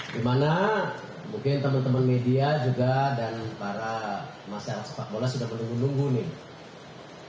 di mana mungkin teman teman media juga dan para masyarakat sepak bola sudah menunggu nunggu nih